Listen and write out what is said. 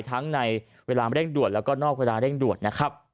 ทั้งในเวลาเร่งด่วนและนอกเวลาเร่งด่วน